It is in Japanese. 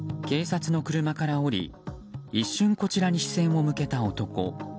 警察の車から降り一瞬、こちらに視線を向けた男。